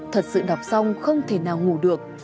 thật sự đọc xong không thể nào ngủ được